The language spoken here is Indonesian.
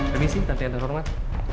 permisi tante ada format